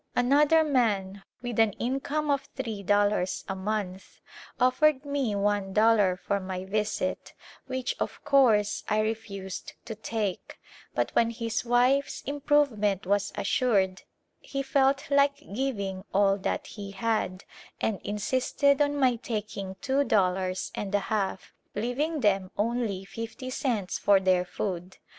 Another man, with an income of three dollars a month, offered me one dollar for my visit, which, of course, I refused to take, but when his wife's improve ment was assured he felt like giving all that he had and insisted on my taking two dollars and a half, leav ing them only fifty cents for their food.